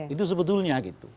itu sebetulnya gitu